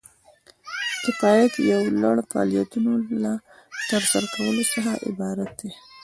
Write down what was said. کفایت د یو لړ فعالیتونو له ترسره کولو څخه عبارت دی.